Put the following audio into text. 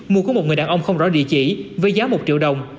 mua của một người đàn ông không rõ địa chỉ với giá một triệu đồng